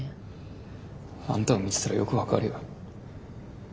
あんたを見てたらよく分かるよ。